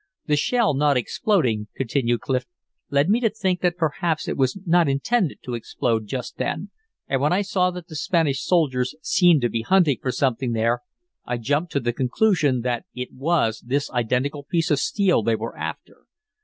"The shell not exploding," continued Clif, "led me to think that perhaps it was not intended to explode just then and when I saw that the Spanish soldiers seemed to be hunting for something there, I jumped to the conclusion that it was this identical piece of steel they were after.